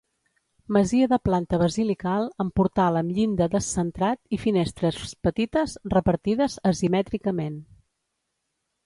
Masia de planta basilical amb portal amb llinda descentrat i finestres petites repartides asimètricament.